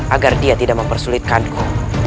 agar dia tidak mempersulitkanku